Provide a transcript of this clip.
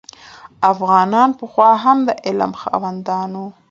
افغانان پخوا هم د علم خاوندان وو.